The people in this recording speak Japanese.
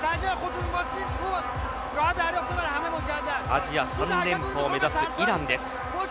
アジア３連覇を目指すイランです。